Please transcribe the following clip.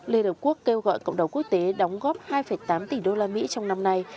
liên hợp quốc kêu gọi cộng đồng quốc tế đóng góp hai tám tỷ usd trong năm nay